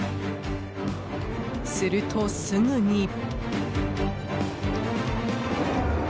するとすぐに。